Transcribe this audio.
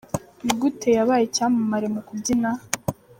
Ni gute yabaye icyamamare mu kubyina?.